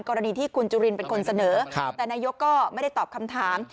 กรณีที่คุณจุลินเป็นคนเสนอแต่นายกก็ไม่ได้ตอบคำถาม